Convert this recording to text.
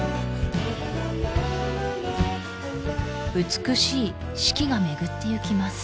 美しい四季がめぐってゆきます